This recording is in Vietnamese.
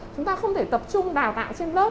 chúng ta không thể tập trung đào tạo trên lớp